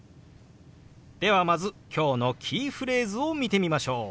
ではまず今日のキーフレーズを見てみましょう。